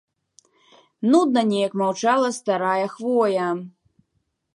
Нудна неяк маўчала старая хвоя.